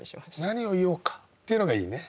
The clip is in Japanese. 「何を言おうか」っていうのがいいね。